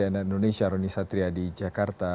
cnn indonesia roni satria di jakarta